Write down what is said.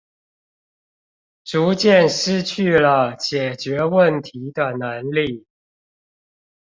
逐漸失去了解決問題的能力